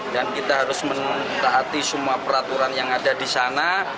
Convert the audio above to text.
dan kita harus mentah hati semua peraturan yang ada di sana